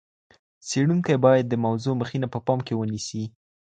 څېړونکی باید د موضوع مخینه په پام کي ونیسي.